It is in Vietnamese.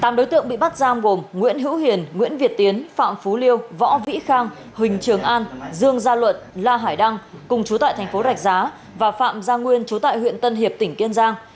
tám đối tượng bị bắt giam gồm nguyễn hữu hiền nguyễn việt tiến phạm phú liêu võ vĩ khang huỳnh trường an dương gia luận la hải đăng cùng chú tại thành phố rạch giá và phạm gia nguyên chú tại huyện tân hiệp tỉnh kiên giang